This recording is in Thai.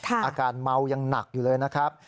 อาการเมายังหนักอยู่เลยนะครับ